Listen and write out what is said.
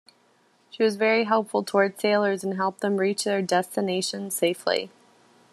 She was very helpful toward sailors and helped them reach their destinations safely.